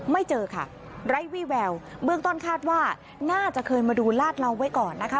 ไม่เจอค่ะไร้วี่แววเบื้องต้นคาดว่าน่าจะเคยมาดูลาดเหลาไว้ก่อนนะคะ